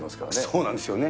そうなんですよね。